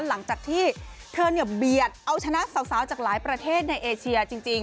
หลังจากที่เธอเนี่ยเบียดเอาชนะสาวจากหลายประเทศในเอเชียจริง